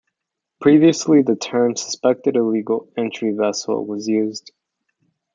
Previously the term 'Suspected "Illegal" Entry Vessel' was used.